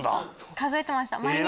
数えてました毎日。